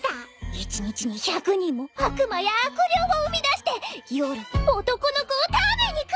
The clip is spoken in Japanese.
一日に１００人も悪魔や悪霊を生み出して夜男の子を食べに来るさ！